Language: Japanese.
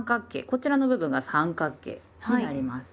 こちらの部分が三角形になります。